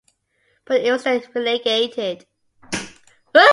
But it was then relegated.